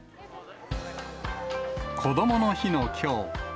こどもの日のきょう。